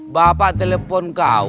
bapak telepon kau